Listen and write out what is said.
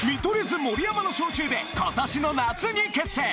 図盛山の招集で今年の夏に結成！